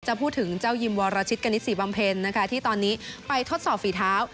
พูดถึงเจ้ายิมวรชิตกณิตศรีบำเพ็ญนะคะที่ตอนนี้ไปทดสอบฝีเท้า